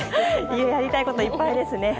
やりたいこといっぱいですね。